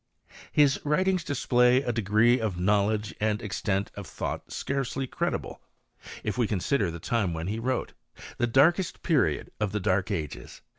His writings display a degree of knowledge and extent of thought scarcely credible, if we consider the time when he wrote, the darkest period of the dark ages.